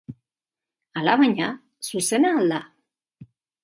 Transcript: Alabaina, zuzena al da?